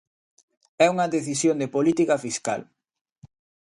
É unha decisión de política fiscal.